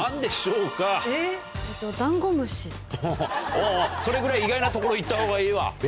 おぉそれぐらい意外なところいった方がいいわ。